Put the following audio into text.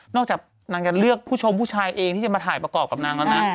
จากนางจะเลือกผู้ชมผู้ชายเองที่จะมาถ่ายประกอบกับนางแล้วนะ